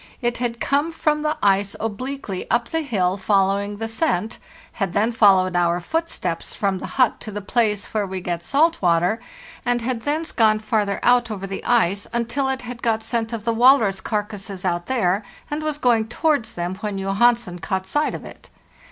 It had come from the ice obliquely up the hill following the scent, had then followed our footsteps from the hut to the place where we get salt water, and had thence gone farther out over the ice until it had got scent of the walrus carcasses out there, and was going towards them when Johansen caught sight of it.